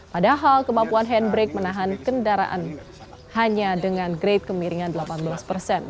padahal kemampuan handbrake menahan kendaraan hanya dengan grade kemiringan delapan belas persen